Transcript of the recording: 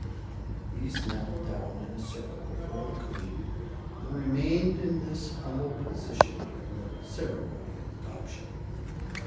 These knelt down in a circle before the Queen and remained in this humble position during the Ceremony of Adoption.